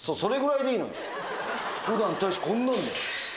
普段たいしこんなんだよ。